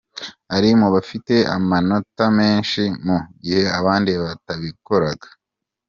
Ari mu bafite amanota menshi mu gihe abandi batabikoraga”.